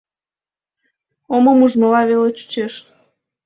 Омым ужмыла веле чучеш.